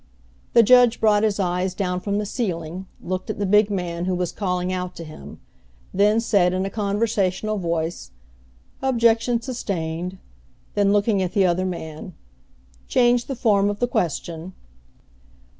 The judge brought his eyes down from the ceiling, looked at the big man who was calling out to him; then said in a conversational voice: "Objection sustained." Then looking at the other man, "Change the form of the question."